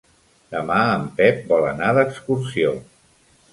Demà en Pep vol anar d'excursió.